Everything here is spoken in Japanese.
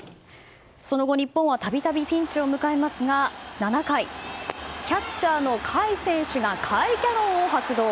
その後、日本は度々ピンチを迎えますが、７回キャッチャーの甲斐選手が甲斐キャノンを発動。